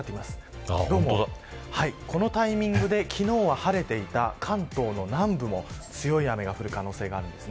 このタイミングで、昨日は晴れていた関東の南部も強い雨が降る可能性があります。